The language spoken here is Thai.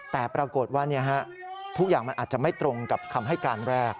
แต่ปรากฏว่าทุกอย่างมันอาจจะไม่ตรงกับคำให้การแรก